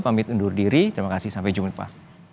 pamit undur diri terima kasih sampai jumpa